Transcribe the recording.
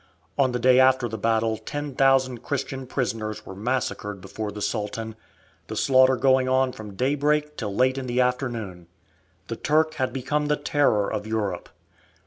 On the day after the battle ten thousand Christian prisoners were massacred before the Sultan, the slaughter going on from daybreak till late in the afternoon. The Turk had become the terror of Europe.